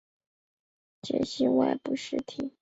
解析外部实体。